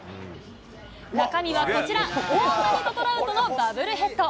中身はこちら、大谷とトラウトのバブルヘッド。